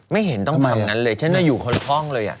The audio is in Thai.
ไม่เห็นต้องทำงั้นเลยฉันอยู่คนละห้องเลย